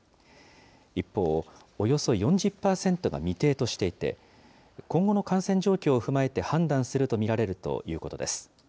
一方、およそ４０％が未定としていて、今後の感染状況を踏まえて判断すると見られるということです。